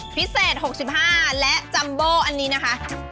พิเศษ๖๕และจัมโบอันนี้นะคะ